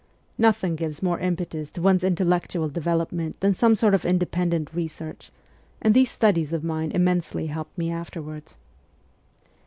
Nothing gives THE CORPS OF PAGES m more impetus to one's intellectual development than some sort of independent research, and these studies of mine immensely helped me afterwards.